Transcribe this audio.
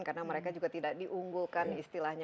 karena mereka juga tidak diunggulkan istilahnya